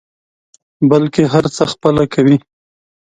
بلکې هر څه خپله کوي.